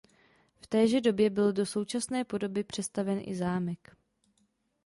V téže době byl do současné podoby přestavěn i zámek.